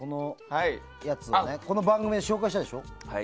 僕、この番組で紹介したでしょ？